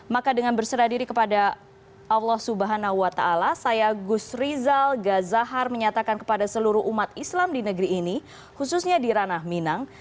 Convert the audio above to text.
maka dengan berserah diri kepada allah swt saya gus rizal gazahar menyatakan kepada seluruh umat islam di negeri ini khususnya di ranah minang